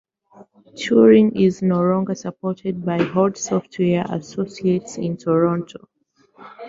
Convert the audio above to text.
Turing is no longer supported by Holt Software Associates in Toronto.